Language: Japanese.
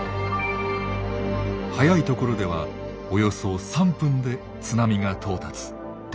速い所ではおよそ３分で津波が到達。